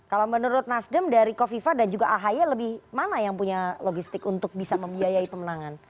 kalau menurut nasdem dari kofifa dan juga ahy lebih mana yang punya logistik untuk bisa membiayai pemenangan